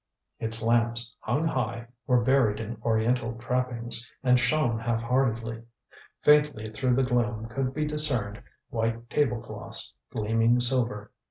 Its lamps, hung high, were buried in oriental trappings, and shone half heartedly. Faintly through the gloom could be discerned white table cloths, gleaming silver.